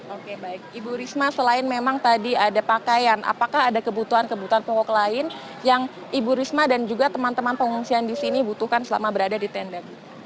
oke baik ibu risma selain memang tadi ada pakaian apakah ada kebutuhan kebutuhan pokok lain yang ibu risma dan juga teman teman pengungsian di sini butuhkan selama berada di tenda